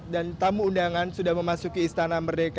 dan tamu undangan sudah memasuki istana merdeka